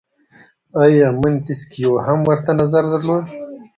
آیا منتسکیو هم ورته نظر درلود؟